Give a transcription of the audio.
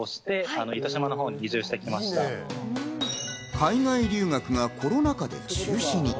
海外留学がコロナ禍で中止に。